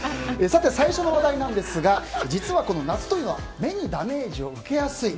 最初の話題ですが実は、夏というのは目にダメージを受けやすい。